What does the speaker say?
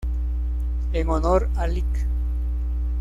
En honor al Lic.